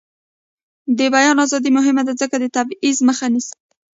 د بیان ازادي مهمه ده ځکه چې د تبعیض مخه نیسي.